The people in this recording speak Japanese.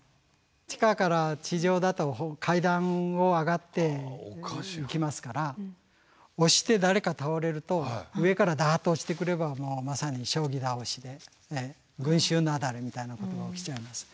地下から地上だと階段を上がっていきますから押して誰か倒れると上からダッと落ちてくればまさに将棋倒しで群衆雪崩みたいなことが起きちゃいます。